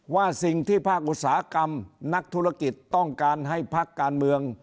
ว่าสิ่งที่ภาคอุตสาหกรรมนักธุรกิจต้องการให้พักการเมือง